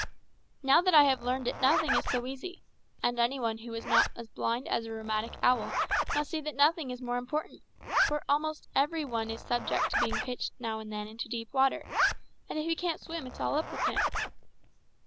Now that I have learned it nothing is so easy, and any one who is not as blind as a rheumatic owl must see that nothing is more important; for every one almost is subject to being pitched now and then into deep water, and if he can't swim it's all up with him.